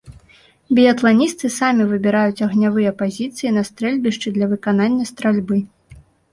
Біятланісты самі выбіраюць агнявыя пазіцыі на стрэльбішчы для выканання стральбы.